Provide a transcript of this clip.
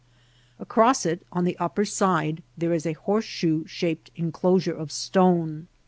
Across it, on the upper side, there is a horse shoe shaped enclosure of stone.